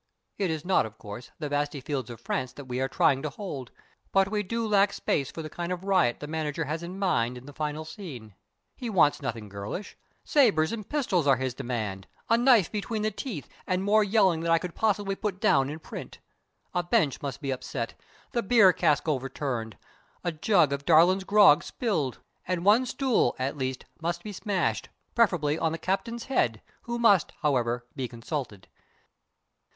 It is not, of course, the vasty fields of France that we are trying to hold; but we do lack space for the kind of riot the manager has in mind in the final scene. He wants nothing girlish. Sabers and pistols are his demand a knife between the teeth and more yelling than I could possibly put down in print. A bench must be upset, the beer cask overturned, a jug of Darlin's grog spilled, and one stool, at least, must be smashed preferably on the captain's head, who must, however, be consulted.